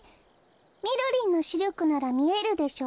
みろりんのしりょくならみえるでしょう？